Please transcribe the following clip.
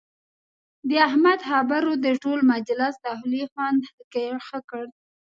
د احمد خبرو د ټول مجلس د خولې خوند ښه کړ.